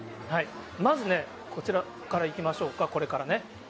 まずね、こちらからいきましょうか、これからね。